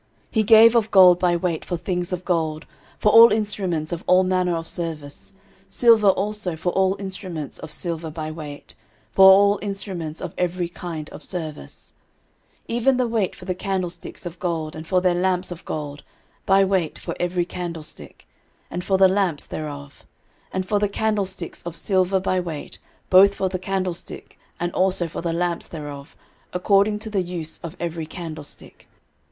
13:028:014 He gave of gold by weight for things of gold, for all instruments of all manner of service; silver also for all instruments of silver by weight, for all instruments of every kind of service: 13:028:015 Even the weight for the candlesticks of gold, and for their lamps of gold, by weight for every candlestick, and for the lamps thereof: and for the candlesticks of silver by weight, both for the candlestick, and also for the lamps thereof, according to the use of every candlestick.